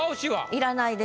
要らないですよ。